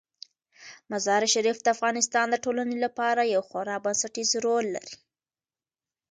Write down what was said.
مزارشریف د افغانستان د ټولنې لپاره یو خورا بنسټيز رول لري.